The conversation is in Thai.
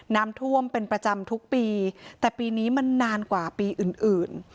น้ำท่วมเป็นประจำทุกปีแต่ปีนี้มันนานกว่าปีอื่นอื่น